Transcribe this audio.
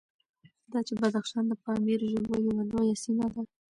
دا چې بدخشان د پامیري ژبو یوه لویه سیمه ده،